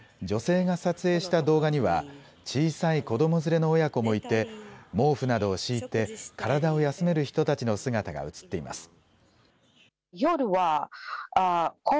女性が撮影した動画には小さい子ども連れの親子もいて毛布などを敷いて体を休める人たちの姿が映っています。